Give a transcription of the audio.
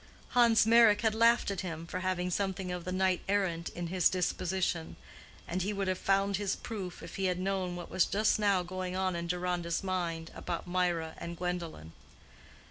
Hans Meyrick had laughed at him for having something of the knight errant in his disposition; and he would have found his proof if he had known what was just now going on in Deronda's mind about Mirah and Gwendolen.